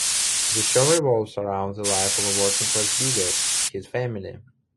The show revolves around the life of a working-class bigot and his family.